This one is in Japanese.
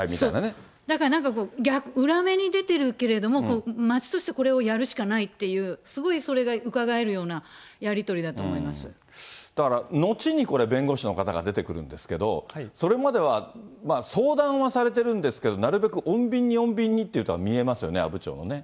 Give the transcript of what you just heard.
そう、だからなんかこう、逆に、裏目に出てるけれども、町として、これをやるしかないっていう、すごいそれがうかがえるようだから、後にこれ、弁護士の方が出てくるんですけれども、それまでは相談はされてるんですけれども、なるべく穏便に、穏便にっていうのは、見えますよね、阿武町のね。